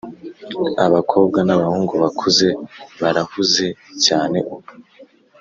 abakobwa n'abahungu bakuze barahuze cyane ubu.